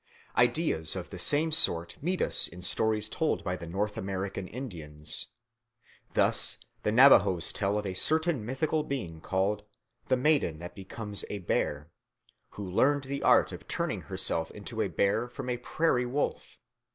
Ideas of the same sort meet us in stories told by the North American Indians. Thus the Navajoes tell of a certain mythical being called "the Maiden that becomes a Bear," who learned the art of turning herself into a bear from the prairie wolf.